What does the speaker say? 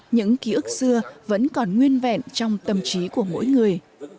những ký ức xưa vẫn còn nguyên vẹn trong tâm trí của mỗi người